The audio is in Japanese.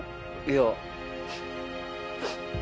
いや。